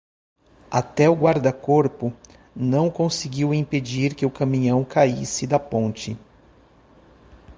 Até o guarda-corpo não conseguiu impedir que o caminhão caísse da ponte.